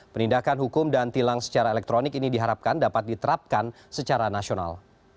penindakan hukum dan tilang secara elektronik ini diharapkan dapat diterapkan secara nasional